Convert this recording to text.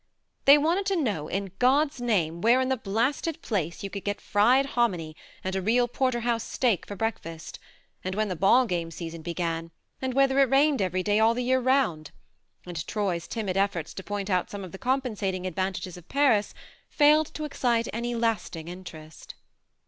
They wanted to know, in God's name, where in the blasted place you could get fried hominy and a real porter house steak for breakfast, and when the ball game season began, and whether it rained every day all the year round ; and Troy's timid efforts to point out some of the compensating advantages of Paris failed to excite any lasting interest.